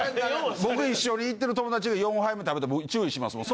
僕一緒に行ってる友達が４杯目食べたら僕注意しますもん。